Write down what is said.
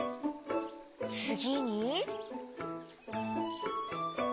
つぎに？